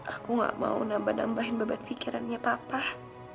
aku tidak mau menambah nambahkan beban pikirannya bapak